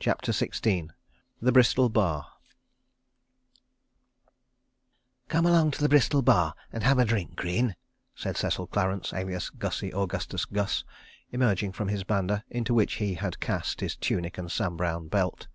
CHAPTER XVI The Bristol Bar "Come along to the Bristol Bar and have a drink, Greene," said Cecil Clarence, alias Gussie Augustus Gus, emerging from his banda, into which he had cast his tunic and Sam Browne belt.